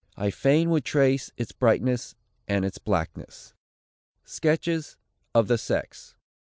I fain would trace Its brightness and its blackness." SKETCHES OF "THE SEX."